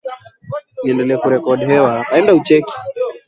Watatari na Wabashkiris Kwa jumla kuna kadirio la kuwepo kwa milioni